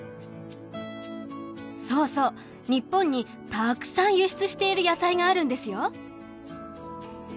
そうそう日本にたくさん輸出している野菜があるんですよ。